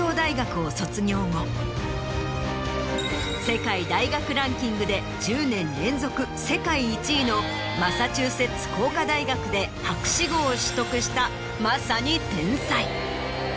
世界大学ランキングで１０年連続世界１位のマサチューセッツ工科大学で博士号を取得したまさに天才。